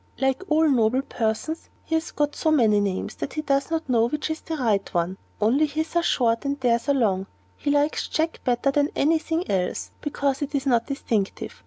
"Like all noble persons, he has got so many names that he does not know which is the right one; only his are short and theirs are long. He likes 'Jack' better than any thing else, because it is not distinctive.